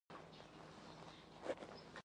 و ما ینطق الهوا ده